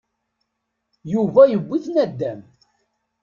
Yuba yewwi-t nadam.